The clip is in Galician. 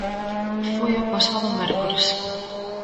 Foi o pasado mércores.